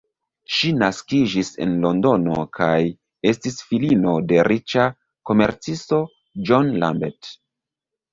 Ŝi naskiĝis en Londono kaj estis filino de riĉa komercisto, John Lambert.